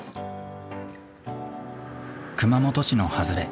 熊本市の外れ。